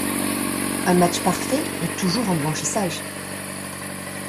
Un match parfait est toujours un blanchissage.